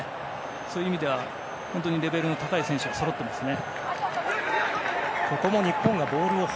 そういう意味ではレベルの高い選手がそろっていますね。